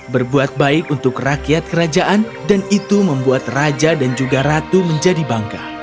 berbuat baik untuk rakyat kerajaan dan itu membuat raja dan juga ratu menjadi bangga